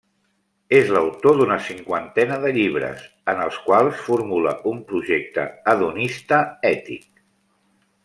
És l'autor d'una cinquantena de llibres, en els quals formula un projecte hedonista ètic.